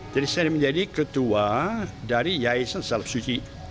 jadi saya menjadi ketua dari yayasan salib suci